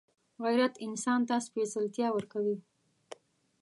غیرت انسان ته سپېڅلتیا ورکوي